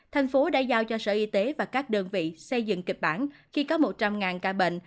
thành phố đã giao cho sở y tế và các đơn vị xây dựng kịch bản khi có một trăm linh ca bệnh